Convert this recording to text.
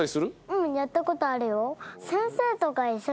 うんやったことあるよ。